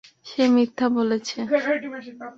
সে মিথ্যা বলেছে।